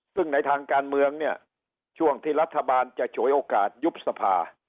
ซึ่งในทางการเมืองเนี่ยช่วงที่รัฐบาลจะฉวยโอกาสยุบสภา